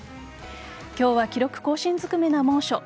今日は記録更新ずくめの猛暑。